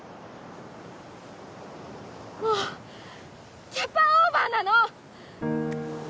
もうキャパオーバーなの！